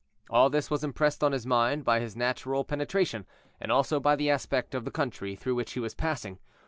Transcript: All this was impressed on his mind by his natural penetration, and also by the aspect of the country through which he was passing.